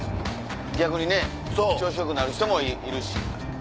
逆にね調子よくなる人もいるし。